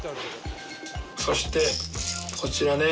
そしてこちらね。